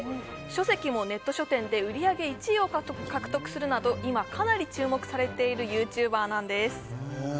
書籍もネット書店で売り上げ１位を獲得するなど今かなり注目されているＹｏｕＴｕｂｅｒなんです・へえ